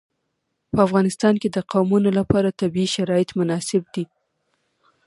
په افغانستان کې د قومونه لپاره طبیعي شرایط مناسب دي.